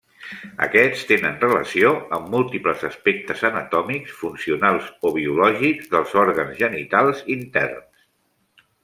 Aquests tenen relació amb múltiples aspectes anatòmics, funcionals o biològics dels òrgans genitals interns.